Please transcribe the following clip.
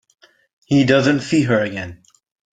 He doesn't see her again.